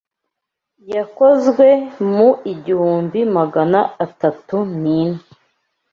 Yakozwe mu ihigumbi Magana atatu nine